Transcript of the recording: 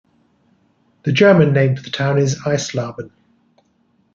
The German name for the town is Eislaben.